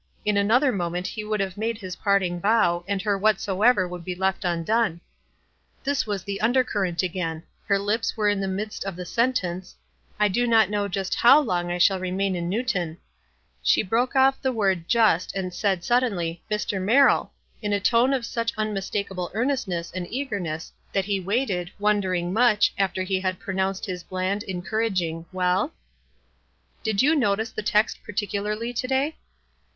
In another moment he would have made his parting bow, and her " Whatsoever " would be left undone. This was the undercurrent WISE AND OTHERWISE. 187 again. Her lips were in the midst of the sen tence, " I do not know just how long I shall re main in Newton." She broke off at the word "just," and said, suddenly, "Mr. Merrill," in a tone of such iHimistakable earnestness and eagerness, that he waited, wondering much, alter he had pronounced his bland, encourag ing, "Well?" " Did you notice the text particularly, to day?"